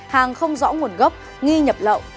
hàng không rõ nguồn gốc nghi nhập lậu